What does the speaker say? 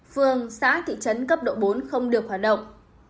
phường xã thị trấn cấp độ bốn không được hoạt động